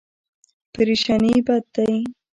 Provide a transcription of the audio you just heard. پریشاني بد دی.